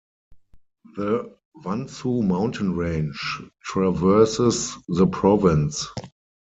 The Wansu mountain range traverses the province.